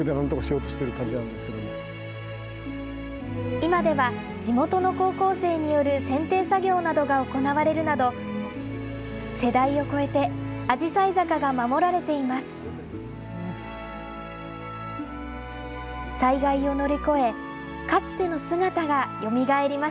今では、地元の高校生によるせんてい作業などが行われるなど、世代を超えて、あじさい坂が守られています。